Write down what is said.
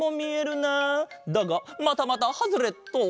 だがまたまたハズレット！